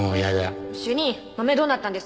主任豆どうなったんですか？